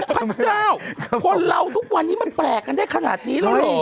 พระเจ้าคนเราทุกวันนี้มันแปลกกันได้ขนาดนี้แล้วเหรอ